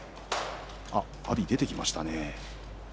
阿炎が出てきましたね。